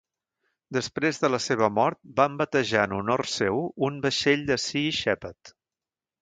Després de la seva mort van batejar en honor seu un vaixell de Sea Shepherd.